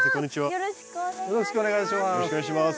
よろしくお願いします。